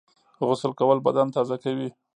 غسل کول بدن تازه کوي